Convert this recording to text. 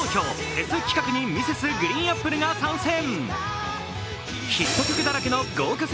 フェス企画にＭｒｓ．ＧＲＥＥＮＡＰＰＬＥが参戦。